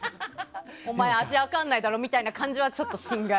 お前、味分かんないだろみたいな感じは心外。